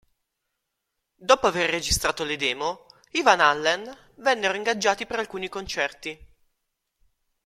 Dopo aver registrato le demo, i Van Halen vennero ingaggiati per alcuni concerti.